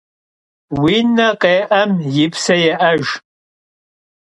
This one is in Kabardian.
Vui ne khê'em yi pse yê'ejj.